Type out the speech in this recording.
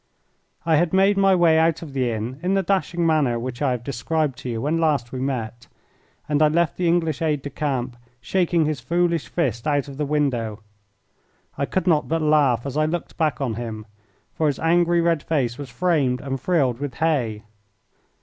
I had made my way out of the inn in the dashing manner which I have described to you when last we met, and I left the English aide de camp shaking his foolish fist out of the window. I could not but laugh as I looked back at him, for his angry red face was framed and frilled with hay.